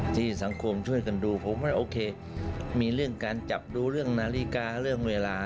ที่สังคมช่วยกันดูผมว่าโอเคมีเรื่องการจับดูเรื่องนาฬิกาเรื่องเวลา